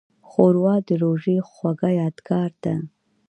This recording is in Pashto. ښوروا د روژې خوږه یادګار ده.